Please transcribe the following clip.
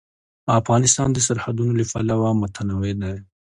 افغانستان د سرحدونه له پلوه متنوع دی.